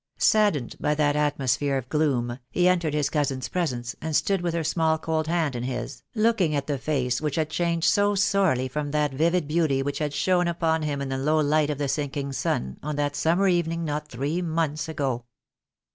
Saddened by that atmosphere of gloom, he entered his cousin's presence, and stood with her small cold hand in his, looking at the face which had changed so sorely from that vivid beauty which had shone upon him in the low light of the sinking sun on that summer evening not three months ago.